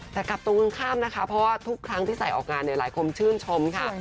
แต่กลับตรงข้างนะคะเพราะว่าทุกครั้งที่ใส่ออกงานเนี่ยหลายคนชื่นชมค่ะ